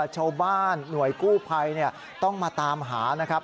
ชาวบ้านหน่วยกู้ภัยต้องมาตามหานะครับ